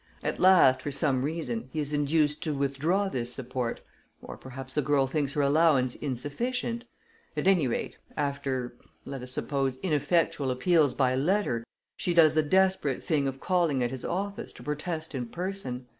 At last, for some reason, he is induced to withdraw this support; or, perhaps, the girl thinks her allowance insufficient. At any rate, after, let us suppose, ineffectual appeals by letter, she does the desperate thing of calling at his office to protest in person.